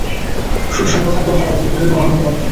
শুধু সৈন্য থাকলেও তারা এতদিন রওনা হতে পারত।